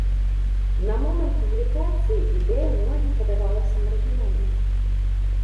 На момант публікацыі ідэя многім падавалася маргінальнай.